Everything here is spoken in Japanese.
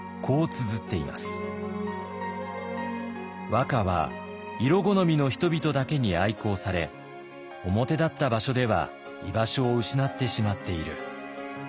和歌は色好みの人々だけに愛好され表立った場所では居場所を失ってしまっている。